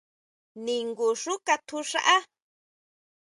¿Ningu xu katjuʼxaá?